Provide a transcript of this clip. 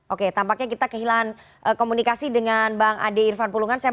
oke tampaknya kita kehilangan komunikasi dengan bang ade irfan pulungan